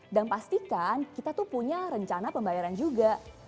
dan pastikan kita tuh punya rencana pembayaran juga